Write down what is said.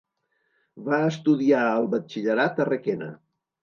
Va estudiar el batxillerat a Requena.